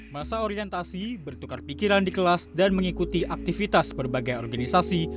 masa orientasi bertukar pikiran di kelas dan mengikuti aktivitas berbagai organisasi